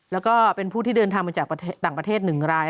แล้วก็เป็นผู้ที่เดินทางมาจากต่างประเทศ๑ราย